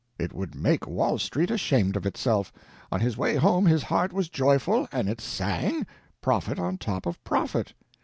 It should make Wall Street ashamed of itself. On his way home his heart was joyful, and it sang—profit on top of profit!